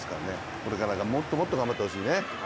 これからもっともっと頑張ってほしいね。